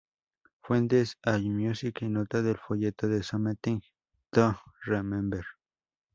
Fuentes: Allmusic y notas del folleto de "Something to Remember".